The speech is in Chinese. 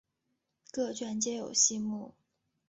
各卷皆有细目。